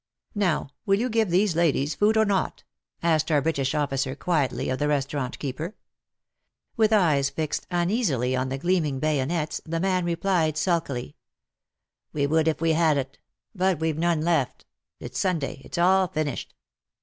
" Now, will you give these ladies food — or not ?" asked our British ofificer quietly of the restaurant keeper. WAR AND WOMEN 103 With eyes fixed uneasily on the gleaming bayonets, the man replied sulkily, '' We would if we had it, but we've none left — it's Sunday — it's all finished."